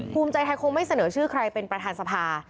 ภูมิใจไทยคงไม่เสนอชื่อใครเป็นประธานสภา